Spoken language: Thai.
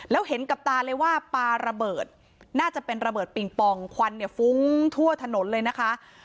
แล้วเห็นกับตาเลยว่าปลาระเบิดน่าจะเป็นระเบิดปิงปองควันเนี่ยฟุ้งทั่วถนนเลยนะคะ